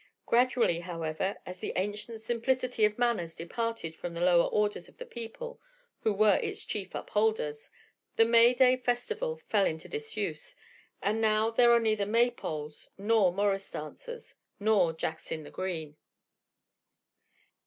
Gradually, however, as the ancient simplicity of manners departed from the lower orders of the people, who were its chief upholders, the May day festival fell into disuse, and now there are neither May poles nor morris dancers nor Jacks in the Green.